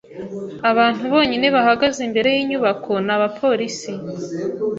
Abantu bonyine bahagaze imbere yinyubako ni abapolisi.